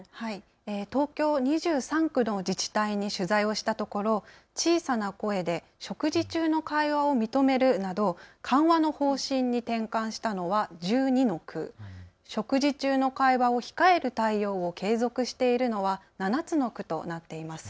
東京２３区の自治体に取材をしたところ、小さな声で食事中の会話を認めるなど緩和の方針に転換したのは１２の区、食事中の会話を控える対応を継続しているのは７つの区となっています。